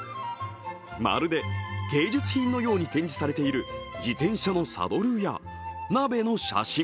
まるで芸術品のように展示されている自転車のサドルや鍋の写真。